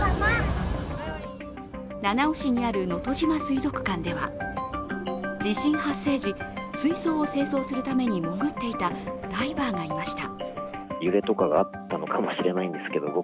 七尾市にあるのとじま水族館では地震発生時、水槽を清掃するために潜っていたダイバーがいました。